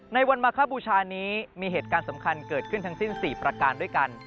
ในวันมาคบูชานี้มีเหตุการณ์สำคัญเกิดขึ้นทั้งสิ้น๔ประการด้วยกัน